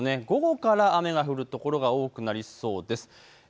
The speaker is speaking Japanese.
午後から雨が降るところが多くなりそうです。